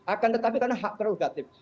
akan tetapi karena hak kredit kreatif